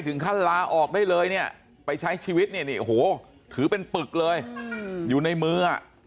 ท่านลาออกได้เลยเนี่ยไปใช้ชีวิตเนี่ยนี่โอ้โหถือเป็นปึกเลยอยู่ในมือ